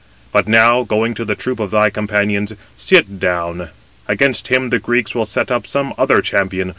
But now, going to the troop of thy companions, sit down. Against him the Greeks will set up some other champion.